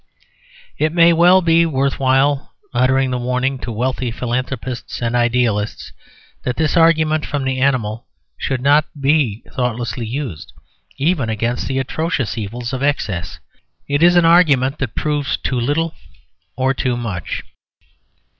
It may be worth while uttering the warning to wealthy philanthropists and idealists that this argument from the animal should not be thoughtlessly used, even against the atrocious evils of excess; it is an argument that proves too little or too much.